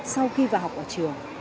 sau khi vào học ở trường